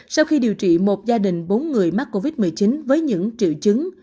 sau khi điều trị một gia đình bốn người mắc covid một mươi chín với những triệu chứng